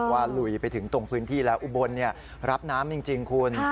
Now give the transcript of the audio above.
ลุยไปถึงตรงพื้นที่แล้วอุบลรับน้ำจริงคุณ